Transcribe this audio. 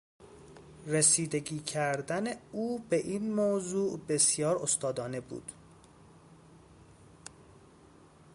رسیدگی کردن او به این موضوع بسیار استادانه بود.